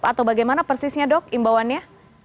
atau bagaimana persisnya dok imbauannya